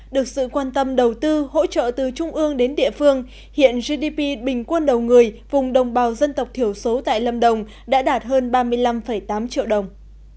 được sự quan tâm đầu tư hỗ trợ từ trung ương đến địa phương hiện gdp bình quân đầu người vùng đồng bào dân tộc thiểu số tại lâm đồng đã đạt hơn ba mươi năm tám triệu đồng